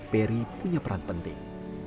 perry punya peran penting